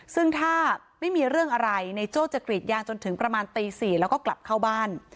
ซึ่งถ้าไม่มีเรื่องอะไรในโจ้จะกรีดยางจนถึงประมาณตี๔แล้วก็กลับเข้าบ้าน